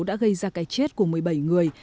đã gây ra cái chết của một mươi bảy người